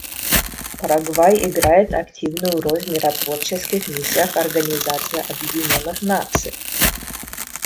Парагвай играет активную роль в миротворческих миссиях Организации Объединенных Наций.